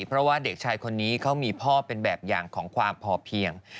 เพราะว่าเด็กชายคนนี้เขามีพ่อเป็นแบบอย่างของความพอเพียง